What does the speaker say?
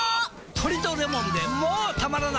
トリとレモンでもたまらない